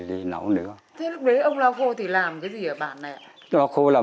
thế lúc đấy ông lọc hô thì làm cái gì ở bản này ạ